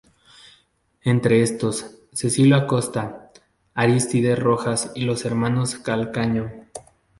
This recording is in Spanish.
Entre estos, Cecilio Acosta, Arístides Rojas y los hermanos Calcaño.